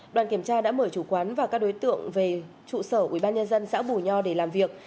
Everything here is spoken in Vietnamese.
đoàn kiểm tra đã mời chủ quán và các đối tượng về trụ sở ubnd xã bù nho để làm việc